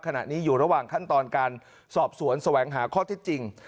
ขณะนี้อยู่ระหว่างขั้นตอนการสอบสวนแสวงหาข้อเท็จจริง